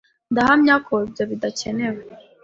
Ndahamya ko ibyo bidakenewe.